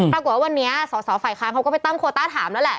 ปรากฏว่าวันนี้สฝคเขาก็ไปตั้งโควต้าถามแล้วแหละ